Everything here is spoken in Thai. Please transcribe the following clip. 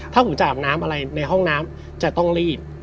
ถ้าผมจะอาบน้ำอะไรในห้องน้ำจะต้องรีบ